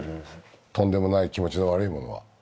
とんでもない気持ちの悪いものが。